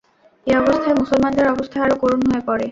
এ অবস্থায় মুসলমানদের অবস্থা আরো করুণ হয়ে পড়ে।